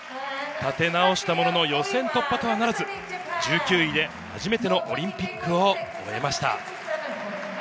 立て直したものの予選突破とはならず１９位で初めてのオリンピックを終えました。